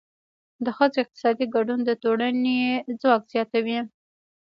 د ښځو اقتصادي ګډون د ټولنې ځواک زیاتوي.